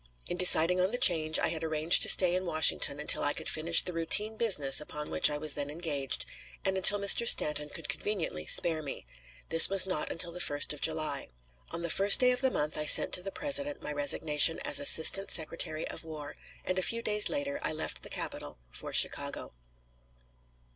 In deciding on the change, I had arranged to stay in Washington until I could finish the routine business upon which I was then engaged, and until Mr. Stanton could conveniently spare me. This was not until the 1st of July. On the first day of the month I sent to the President my resignation as Assistant Secretary of War, and a few days later I left the capital for Chicago.